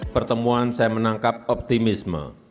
pertemuan saya menangkap optimisme